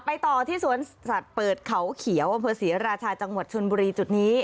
ต่อที่สวนสัตว์เปิดเขาเขียวอำเภอศรีราชาจังหวัดชนบุรีจุดนี้